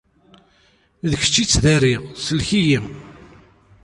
D kečč i ttdariɣ, sellek-iyi.